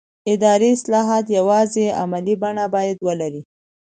اداري اصلاحات یوازې عملي بڼه باید ولري